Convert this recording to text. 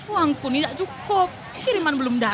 uangku ini tak cukup kiriman belum datang